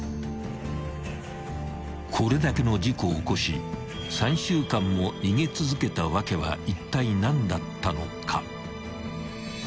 ［これだけの事故を起こし３週間も逃げ続けた訳はいったい何だったのか］